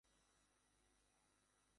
এছাড়াও কয়েকটি সরকারি কলেজ আছে।